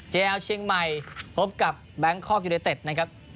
เจียวเชียงใหม่พบกับแบงค์คอปยูไดเต็ดนะครับ